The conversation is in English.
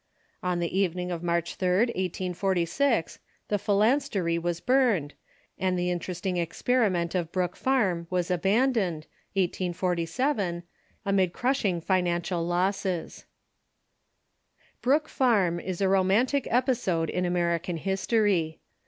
On the evening of March 8d, 1846, the phalanstery was burned, and the interesting experiment of Brook Farm was abandoned, 1847, amid crushing financial losses. Brook Farm is a romantic episode in American history.